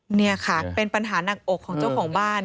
นี่ค่ะเป็นปัญหาหนักอกของเจ้าของบ้าน